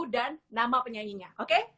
dan nama penyanyinya oke